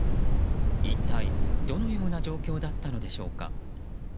一体、どのような状況だったのでしょうか。